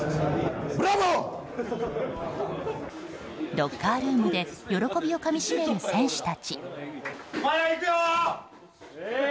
ロッカールームで喜びをかみしめる選手たち。